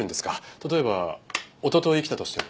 例えばおととい来たとしても。